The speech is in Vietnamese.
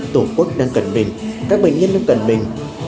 tổ quốc đang cận mình các bệnh nhân đang cần mình